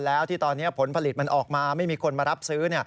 แล้วที่ตอนนี้ผลผลิตมันออกมาไม่มีคนมารับซื้อ